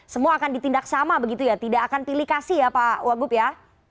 semua akan ditindak sama begitu ya tidak akan pilih kasih ya pak wagub ya